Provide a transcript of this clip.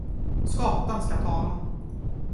Skatan ska ta dem.